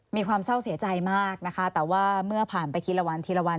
มีความเศร้าเสียใจมากนะคะแต่ว่าเมื่อผ่านไปทีละวันทีละวัน